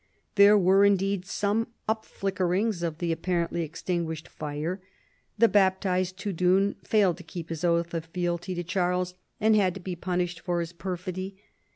There were indeed some upflickerings of the apparently extinguished fire. The baptized tudun failed to keep his oath of fealty to Charles, and had to be punished for his perfidy.